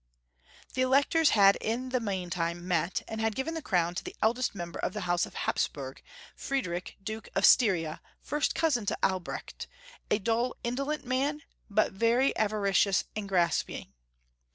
The Electors had in the meantime met, and had given the crown to the eldest member of the House of Hapsburg, Friedrich, Duke of Styria, first cousin to Albrecht, a dull indolent man, but very avari cious and grasping.